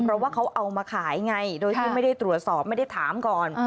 เพราะว่าเขาเอามาขายไงโดยที่ไม่ได้ตรวจสอบไม่ได้ถามก่อน